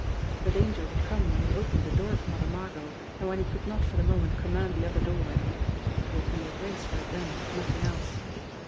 The danger would come when he opened the door for Mother Margot, and when he could not for the moment command the other doorway. It would be a race for it then nothing else.